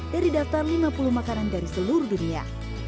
dari daftar lima puluh makanan dari seluruh dunia